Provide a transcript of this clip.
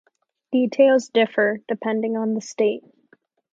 Details differ, depending on the state.